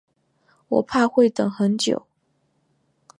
我怕会等很久